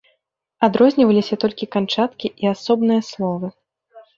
Адрозніваліся толькі канчаткі і асобныя словы.